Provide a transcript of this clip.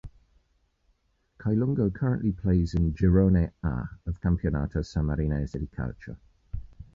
Cailungo currently plays in "Girone A" of Campionato Sammarinese di Calcio.